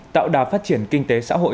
tạo đảm phát triển kinh tế xã hội